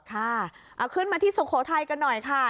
ค่ะเอาขึ้นมาที่สุโขทัยกันหน่อยค่ะ